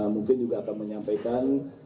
mungkin juga akan menyampaikan